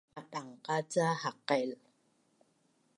Madangqaca haqail